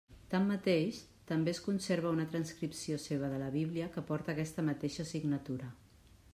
Tanmateix, també es conserva una transcripció seva de la Bíblia que porta aquesta mateixa signatura.